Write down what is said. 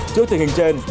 trước tình hình trên